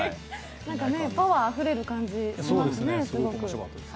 パワーあふれる感じがしますね、すごく。